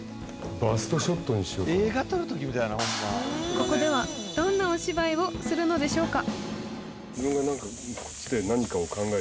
ここではどんなお芝居をするのでしょうか？